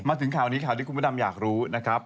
มาถึงข่าวนี้ข่าวที่คุณพระดำอยากรู้นะครับ